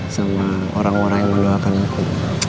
sama orang orang yang mendoakan aku